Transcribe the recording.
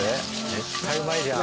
絶対うまいじゃん。